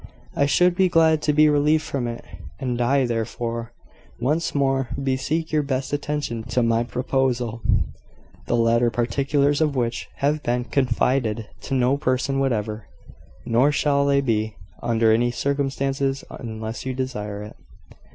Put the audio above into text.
I should be glad to be relieved from it: and I therefore, once more, beseech your best attention to my proposal, the latter particulars of which have been confided to no person whatever, nor shall they be, under any circumstances, unless you desire it.